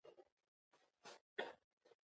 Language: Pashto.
دوی د موټرو په تولید کې کار کوي.